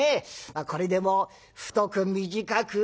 これでも太く短く